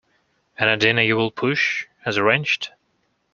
And at dinner you will push, as arranged?